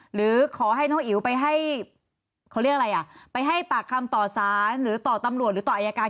หรือขอให้น้องอิ๋วไปให้เขาเรียกอะไรอ่ะไปให้ปากคำต่อสารหรือต่อตำรวจหรือต่ออายการ